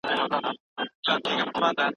استاد شاګرد ته د موضوع په اړه ماخذونه ښيي.